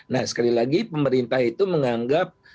nah sekali lagi pemerintah itu menganggap